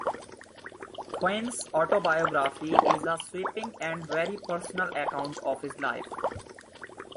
Quinn's autobiography is a sweeping and very personal account of his life.